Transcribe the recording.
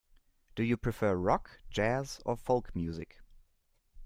Do you prefer rock, jazz, or folk music?